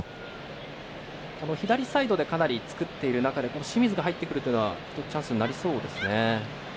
左サイドでかなり作っている中で清水が入ってくるのはチャンスになりそうですね。